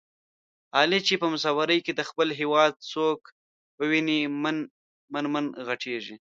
علي چې په مسافرۍ کې د خپل هېواد څوک وویني من من ِغټېږي.